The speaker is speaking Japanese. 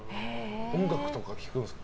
音楽とか聴くんですか？